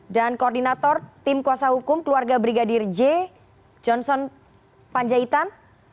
dan koordinator tim kuasa hukum keluarga brigadir j johnson panjaitan